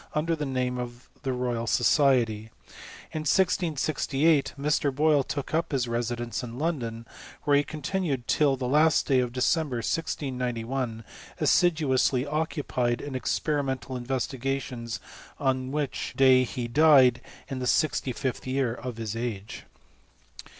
under the name of the Royal Society. In 1668 Mr. Boyle took up his re • sidence in London, where he continued till the last daj of December, 1691, assiduously occupied in expen*, mental investigations, on which day he died, in the sixty fifth year of his age.